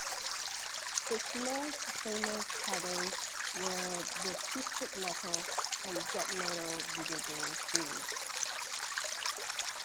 Its most famous titles were the "Twisted Metal" and "Jet Moto" video game series.